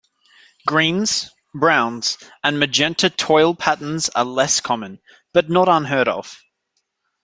Greens, browns, and magenta toile patterns are less common, but not unheard of.